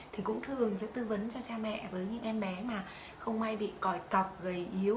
thì cũng thường sẽ tư vấn cho cha mẹ với những em bé mà không may bị còi cọc gầy yếu